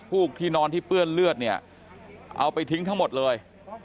กที่นอนที่เปื้อนเลือดเนี่ยเอาไปทิ้งทั้งหมดเลย